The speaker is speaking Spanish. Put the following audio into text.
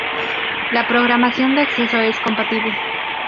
La programación de acceso es compatible.